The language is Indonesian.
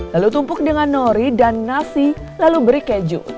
lalu tumpuk dengan nori dan nasi lalu beri keju